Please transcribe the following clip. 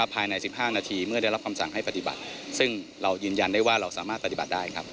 ภายใน๑๕นาทีเมื่อได้รับคำสั่งให้ปฏิบัติซึ่งเรายืนยันได้ว่าเราสามารถปฏิบัติได้ครับ